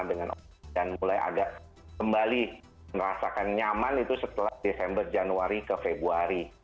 dan mulai agak kembali merasakan nyaman itu setelah desember januari ke februari